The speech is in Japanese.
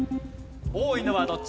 多いのはどっち？